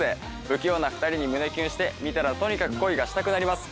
不器用な２人に胸キュンして見たらとにかく恋がしたくなります。